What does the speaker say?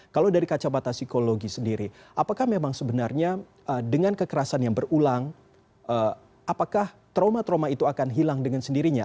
kalau dari kaca batas psikologi sendiri apakah memang sebenarnya dengan kekerasan yang berulang apakah trauma trauma itu akan hilang dengan sendirinya